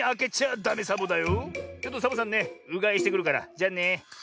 ちょっとサボさんねうがいしてくるからじゃあね。